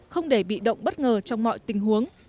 không để bị động bất ngờ trong mọi tình huống